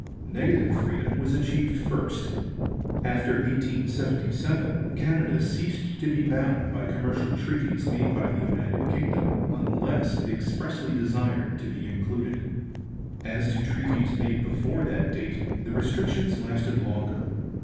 Negative freedom was achieved first. After 1877 Canada ceased to be bound by commercial treaties made by the United Kingdom unless it expressly desired to be included. As to treaties made before that date, the restrictions lasted longer.